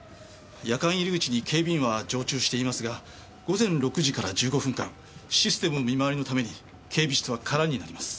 夜間入り口に警備員は常駐していますが午前６時から１５分間システム見回りのために警備室は空になります。